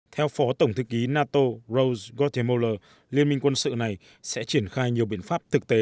theo phó tổng thư ký nato rose gutte mola liên minh quân sự này sẽ triển khai nhiều biện pháp thực tế